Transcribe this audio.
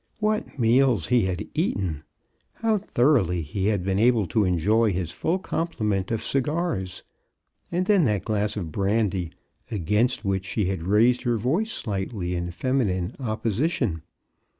What meals he had eaten ! How thoroughly he had been able to enjoy his full complement of cigars ! And then that glass of brandy, against which she had raised her voice slightly in feminine opposition.